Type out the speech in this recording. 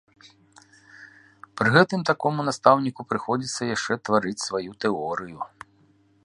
Пры гэтым такому настаўніку прыходзіцца яшчэ тварыць сваю тэорыю.